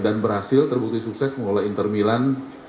dan berhasil terbukti sukses mengolah inter milan